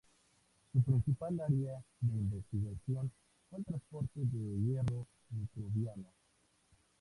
Su principal área de investigación fue el transporte de hierro microbiano.